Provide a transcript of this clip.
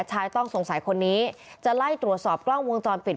ชายต้องสงสัยคนนี้จะไล่ตรวจสอบกล้องวงจรปิด